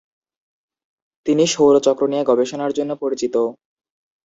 তিনি সৌর চক্র নিয়ে গবেষণার জন্য পরিচিত।